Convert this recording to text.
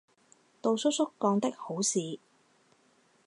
杜叔叔干的好事。